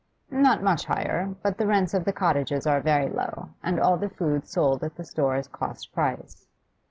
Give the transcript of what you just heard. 'Not much higher, but the rents of the cottages are very low, and all the food sold at the store is cost price.